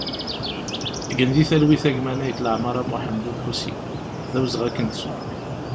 Gen di talwit a gma Naït Lamara Muḥand Ulḥusin, d awezɣi ad k-nettu!